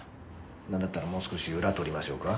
なんだったらもう少し裏取りましょうか？